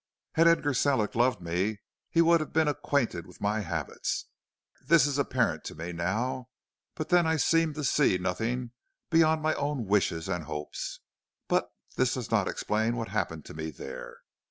"Had Edgar Sellick loved me he would have been acquainted with my habits. This is apparent to me now, but then I seemed to see nothing beyond my own wishes and hopes. But this does not explain what happened to me there.